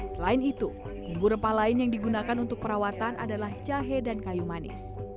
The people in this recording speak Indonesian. selain itu bumbu rempah lain yang digunakan untuk perawatan adalah jahe dan kayu manis